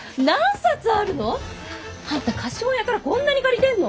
あんた貸本屋からこんなに借りてんの？